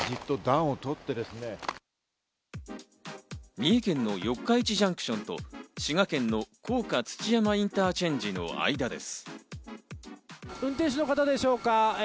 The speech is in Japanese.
三重県の四日市ジャンクションと滋賀県の甲賀土山インターチェンジの間です。